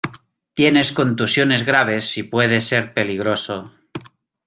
tienes contusiones graves y puede ser peligroso.